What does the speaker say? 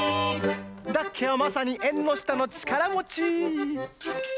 ダッケはまさに「えんのしたのちからもち」！